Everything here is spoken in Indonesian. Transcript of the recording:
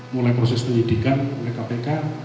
mulai proses penyidikan oleh kpk